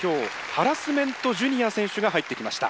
ハラスメントＪｒ．選手が入ってきました。